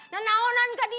nenau nenang ke dia